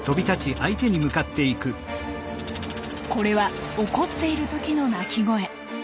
これは怒っている時の鳴き声。